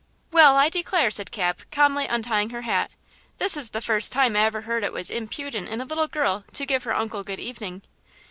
"Well, I declare," said Cap, calmly untying her hat; "this is the first time I ever heard it was impudent in a little girl to give her uncle good evening!"